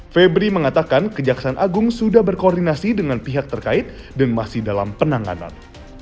febri mengatakan kejaksaan agung sudah berkoordinasi dengan pihak terkait dan masih dalam penanganan